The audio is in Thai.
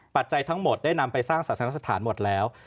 จัยทั้งหมดได้นำไปสร้างศาสนสถานหมดแล้ว